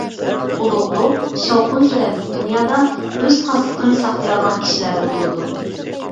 ئۇلۇغلۇق، شاۋقۇن-سۈرەنلىك دۇنيادا ئۆز خاسلىقىنى ساقلىيالىغان كىشىلەردە بولىدۇ.